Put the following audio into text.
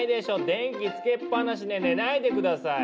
電気つけっぱなしで寝ないで下さい！